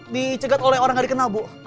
dicegat oleh orang gak dikenal bu